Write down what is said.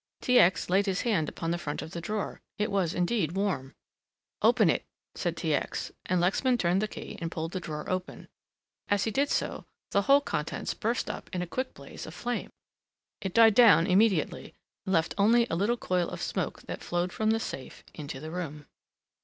T. X. laid his hand upon the front of the drawer. It was indeed warm. "Open it," said T. X., and Lexman turned the key and pulled the drawer open. As he did so, the whole contents burst up in a quick blaze of flame. It died down immediately and left only a little coil of smoke that flowed from the safe into the room.